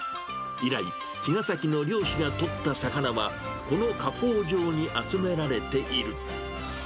以来、茅ヶ崎の漁師が取った魚は、この加工場に集められている。